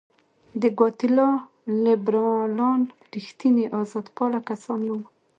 د ګواتیلا لیبرالان رښتیني آزادپاله کسان نه وو.